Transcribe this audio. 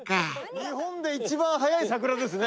日本で一番早い桜ですね。